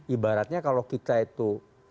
ibaratnya kalau kita itu